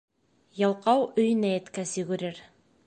Ялҡау, өйөнә еткәс, йүгерер.